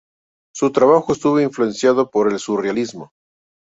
Su trabajo estuvo influenciado por el Surrealismo.